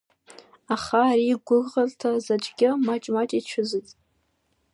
Аха ари игәыӷырҭа заҵәгьы, маҷ-маҷ ицәыӡит…